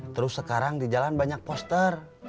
terus sekarang di jalan banyak poster